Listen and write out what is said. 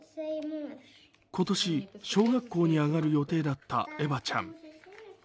今年、小学校にあがる予定だったエバちゃん。